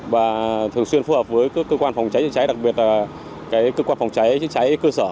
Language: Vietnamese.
và thường xuyên phối hợp với các cơ quan phòng cháy chữa cháy đặc biệt là cơ quan phòng cháy chữa cháy cơ sở